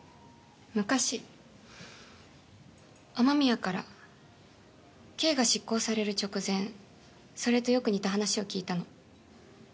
昔雨宮から刑が執行される直前それとよく似た話を聞いたの。